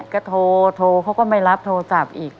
ก็โทรเขาก็ไม่รับโทรศัพท์อีก